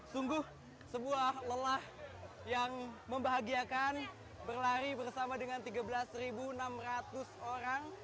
sungguh sebuah lelah yang membahagiakan berlari bersama dengan tiga belas enam ratus orang